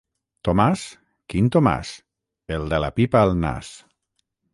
Tomàs? / —Quin Tomàs? / —El de la pipa al nas.